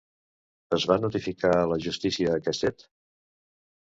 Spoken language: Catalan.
Es va notificar a la justícia aquest fet?